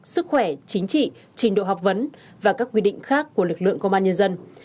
sức khỏe chính trị trình độ học vấn và các quy định khác của lực lượng công an nhân dân